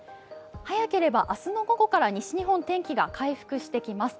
早ければ明日の午後から西日本、天気が回復してきます。